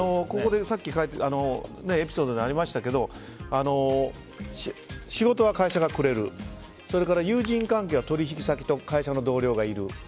さっきのエピソードにありましたけど仕事は会社がくれるそれから友人関係は取引先と会社の同僚がいる。